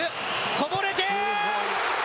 こぼれて。